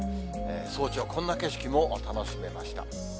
早朝、こんな景色も楽しめました。